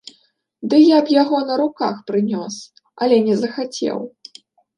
Ды я б яго на руках прынёс, але не захацеў.